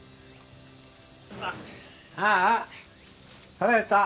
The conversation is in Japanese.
あーあ腹減った！